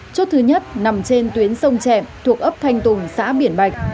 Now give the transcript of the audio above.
chốt thứ nhất nằm trên tuyến sông thuộc ấp thanh tùng xã biển bạch